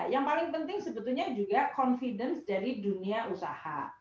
yang paling penting sebetulnya juga confidence dari dunia usaha